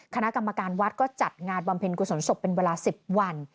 คณะกรรมการวัดก็จัดงานบำเพ็ญกุศลศพเป็นเวลา๑๐วัน